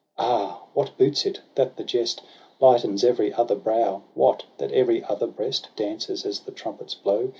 ~Ah ! what boots it, that the jest Lightens every other brow. What, that every other breast Dances as the trumpets blow.